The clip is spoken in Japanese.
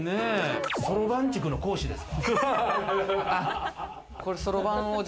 そろばん塾の講師ですか？